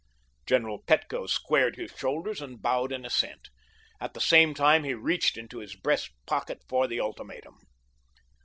General Petko squared his shoulders and bowed in assent. At the same time he reached into his breast pocket for the ultimatum.